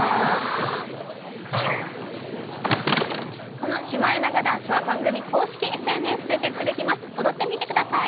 このシマエナガダンスは番組公式ＳＮＳチェックできます、踊ってみてください。